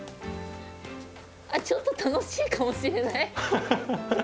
ちょっと楽しいかもしれない。